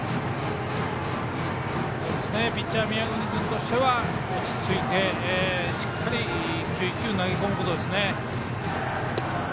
ピッチャーの宮國君としては落ち着いて、しっかり１球１球投げ込むことですね。